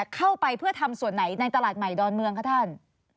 เข้าไปเพื่อทำส่วนไหนในตลาดใหม่ดอนเมืองคะท่าน